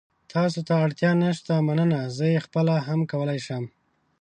تاسو ته اړتیا نشته، مننه. زه یې خپله هم کولای شم.